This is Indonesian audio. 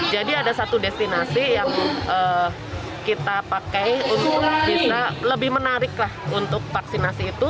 jadi ada satu destinasi yang kita pakai untuk bisa lebih menarik untuk vaksinasi itu